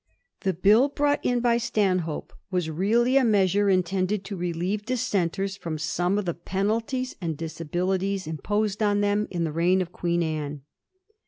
The Bill brought in by Stanhope was really a measure intended to relieve Dissenters from some of the penalties and disabilities impo^ on them in the reign of Queen Anne.